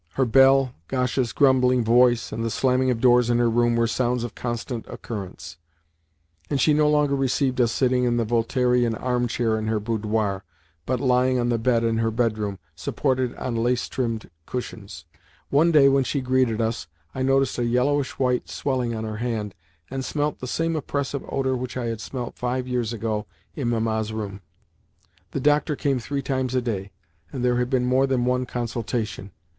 Her bell, Gasha's grumbling voice, and the slamming of doors in her room were sounds of constant occurrence, and she no longer received us sitting in the Voltairian arm chair in her boudoir, but lying on the bed in her bedroom, supported on lace trimmed cushions. One day when she greeted us, I noticed a yellowish white swelling on her hand, and smelt the same oppressive odour which I had smelt five years ago in Mamma's room. The doctor came three times a day, and there had been more than one consultation.